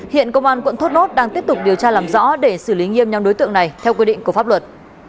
hiện công an quận thốt nốt đang tiếp tục điều tra làm rõ để xử lý nghiêm nhóm đối tượng này theo quy định của pháp luật